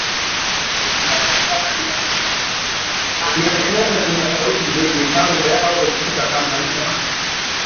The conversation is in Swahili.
miaka nenda miaka rudi huku mipango yao ikififa kama nyota ya mchana